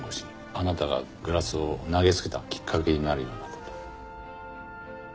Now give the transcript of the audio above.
あなたがグラスを投げつけたきっかけになるような事。